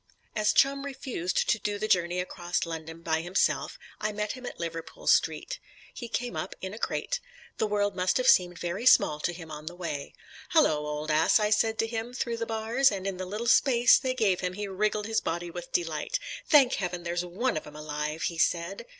As Chum refused to do the journey across London by himself, I met him at Liverpool Street. He came up, in a crate; the world must have seemed very small to him on the way. "Hallo, old ass," I said to him through the bars, and in the little space they gave him he wriggled his body with delight. "Thank Heaven there's one of 'em alive," he said.